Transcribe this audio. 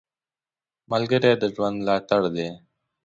ملګری د ژوند ملاتړ دی